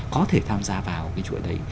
có thể tham gia vào cái chuỗi đấy